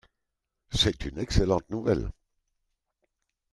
C’est une excellente nouvelle.